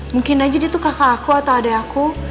mungkin aja dia tuh kakak aku atau adik aku